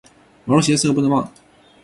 毛主席的四个不能忘！